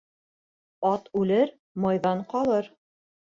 Ат үлер, майҙан ҡалыр